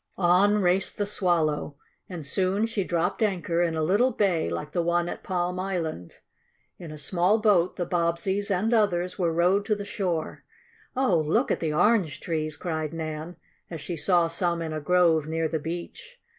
On raced the Swallow, and soon she dropped anchor in a little bay like the one at Palm Island. In a small boat the Bobbseys and others were rowed to the shore. "Oh, look at the orange trees!" cried Nan, as she saw some in a grove near the beach.